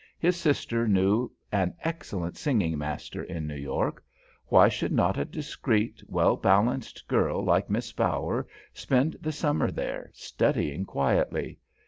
His sister knew an excellent singing master in New York. Why should not a discreet, well balanced girl like Miss Bower spend the summer there, studying quietly?